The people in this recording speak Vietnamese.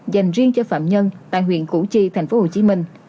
dành riêng cho phạm nhân tại huyện củ chi tp hcm